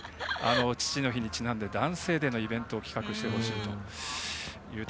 父の日にちなんで男性デーのイベントを企画してほしい。